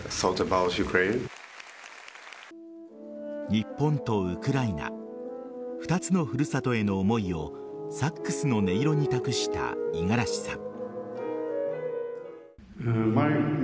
日本とウクライナ２つの古里への思いをサックスの音色に託した五十嵐さん。